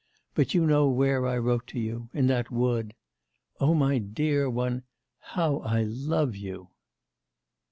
but you know where I wrote to you in that wood. Oh, my dear one! How I love you!